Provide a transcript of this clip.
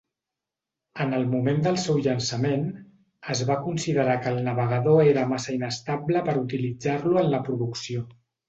En el moment del seu llançament, es va considerar que el navegador era massa inestable per utilitzar-lo en la producció.